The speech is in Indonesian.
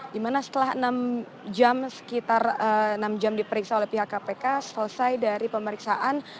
di mana setelah enam jam diperiksa oleh pihak kpk selesai dari pemeriksaan